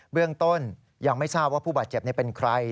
เรื่องต้นยังไม่ทราบว่าผู้บาดเจ็บเป็นใคร